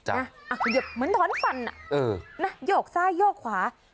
ขยับเหมือนถอนฟันโยกซ้ายโยกขวา